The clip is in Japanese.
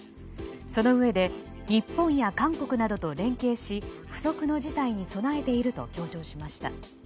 そのうえで日本や韓国などと連携し不測の事態に備えていると強調しました。